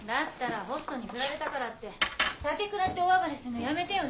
ホストに振られたからって酒食らって大暴れするのやめてよね。